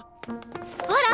ほら！